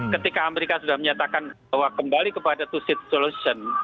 ketika amerika sudah menyatakan bahwa kembali kepada two state solution